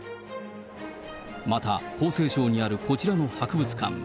また江西省にあるこちらの博物館。